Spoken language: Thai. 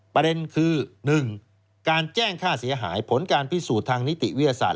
ประเด็นคือ๑การแจ้งค่าเสียหายผลการพิสูจน์ทางนิติวิทยาศาส